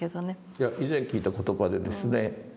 いや以前聞いた言葉でですね